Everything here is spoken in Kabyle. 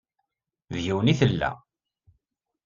Deg-wen i tella.